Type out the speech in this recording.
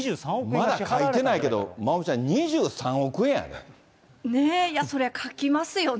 まだ書いてないけどまおみちゃん、ねえ、それは書きますよね。